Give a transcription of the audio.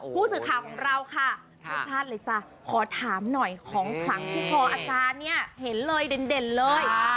ผู้สื่อข่าวของเราค่ะขอถามหน่อยของผลังที่คออาจารย์เนี่ยเห็นเลยเด่นเลย